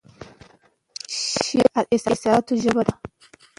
شعر د احساساتو ژبه ده